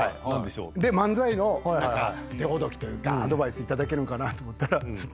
で漫才の手ほどきというかアドバイス頂けるんかなと思ったらずっと。